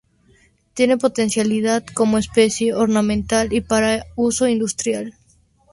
Tiene potencialidad como especie ornamental y para uso industrial.